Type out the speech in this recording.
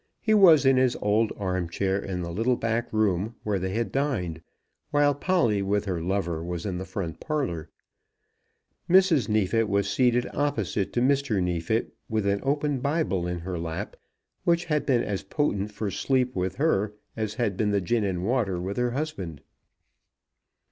He was in his old arm chair in the little back room, where they had dined, while Polly with her lover was in the front parlour. Mrs. Neefit was seated opposite to Mr. Neefit, with an open Bible in her lap, which had been as potent for sleep with her as had been the gin and water with her husband.